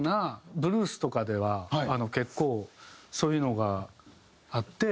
ブルースとかでは結構そういうのがあって。